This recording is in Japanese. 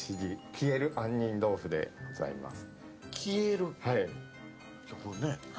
消える杏仁豆腐でございます。